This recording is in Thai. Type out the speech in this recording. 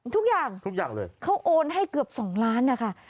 ทุกอย่างทุกอย่างเลยเขาโอนให้เกือบ๒ล้านนะคะ